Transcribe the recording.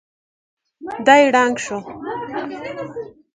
دی ړنګ شو.